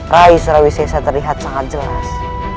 rai surawisesa terlihat sangat jelas